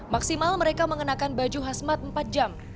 maksimal mereka mengenakan baju khas mat empat jam